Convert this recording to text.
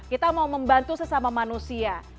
kita mau membantu sesama manusia